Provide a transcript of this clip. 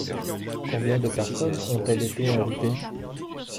Combien de personnes ont-elles été invitées ?